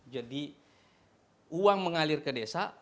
jadi uang mengalir ke desa